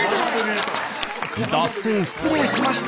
脱線失礼しました！